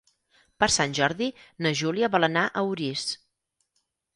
Per Sant Jordi na Júlia vol anar a Orís.